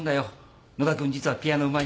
野田君実はピアノうまいし。